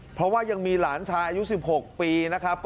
เพราะว่ายังมีหลานชายอายุ๑๖ปีนะครับ